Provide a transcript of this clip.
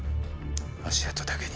足跡だけに？